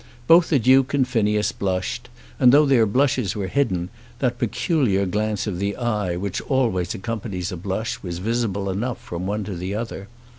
Both the Duke and Phineas blushed; and though their blushes were hidden, that peculiar glance of the eye which always accompanies a blush was visible enough from one to the other.